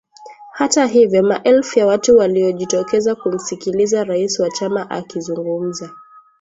Hata hivyo maelfu ya watu waliojitokeza kumsikiliza rais wa chama akizungumza